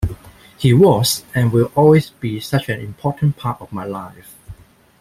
He was and will always be such an important part of my life...